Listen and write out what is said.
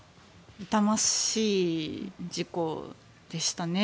痛ましい事故でしたね。